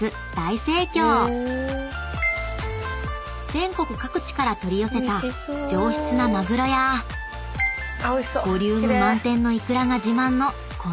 ［全国各地から取り寄せた上質なまぐろやボリューム満点のいくらが自慢のこのお店］